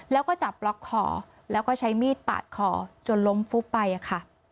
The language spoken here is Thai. แล้วก็จับล็อกคอแล้วก็ใช้มีดปาดคอจนล้มฟุบไปค่ะ